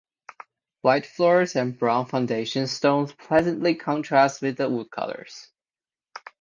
White floors and brown foundation stones pleasantly contrast with the wood colors.